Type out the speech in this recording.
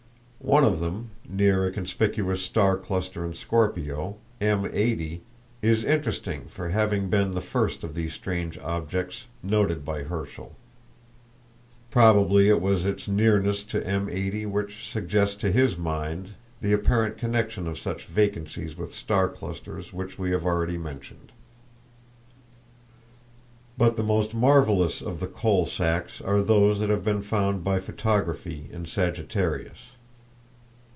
One of them, near a conspicuous star cluster in Scorpio, M80, is interesting for having been the first of these strange objects noted by Herschel. Probably it was its nearness to M80 which suggested to his mind the apparent connection of such vacancies with star clusters which we have already mentioned. But the most marvelous of the "coal sacks" are those that have been found by photography in Sagittarius.